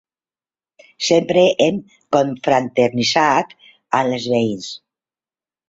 Sempre hem confraternitzat amb els veïns.